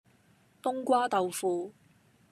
冬瓜豆腐